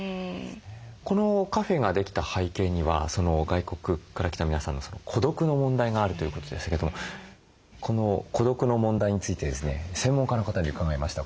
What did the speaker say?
このカフェができた背景には外国から来た皆さんの孤独の問題があるということでしたけどもこの孤独の問題についてですね専門家の方に伺いました。